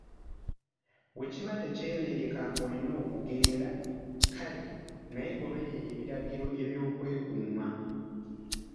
Bwe kiba tekyebeereka ng’olina okugenda, kale naye goberera ebiragiro by’okwekuuma.